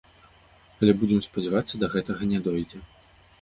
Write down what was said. Але, будзем спадзявацца, да гэтага не дойдзе.